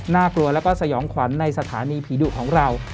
กลัวแล้วก็สยองขวัญในสถานีผีดุของเรา